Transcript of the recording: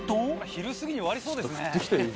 昼過ぎに終わりそうですね。